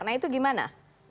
nah itu gimana